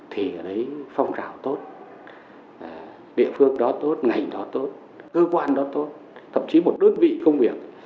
thì ở đấy phong trào tốt địa phương đó tốt ngành đó tốt cơ quan đó tốt thậm chí một đơn vị công việc